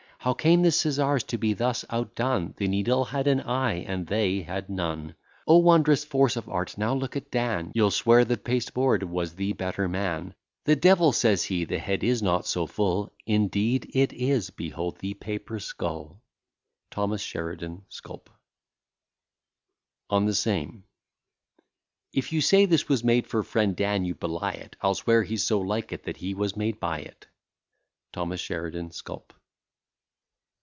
How came the scissars to be thus outdone? The needle had an eye, and they had none. O wondrous force of art! now look at Dan You'll swear the pasteboard was the better man. "The devil!" says he, "the head is not so full!" Indeed it is behold the paper skull. THO. SHERIDAN sculp. ON THE SAME If you say this was made for friend Dan, you belie it, I'll swear he's so like it that he was made by it. THO. SHERIDAN _sculp.